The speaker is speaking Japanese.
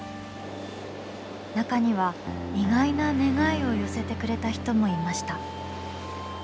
中には意外な願いを寄せてくれた人もいました。